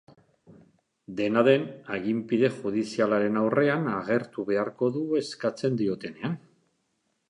Dena den, aginpide judizialaren aurrean agertu beharko du eskatzen diotenean.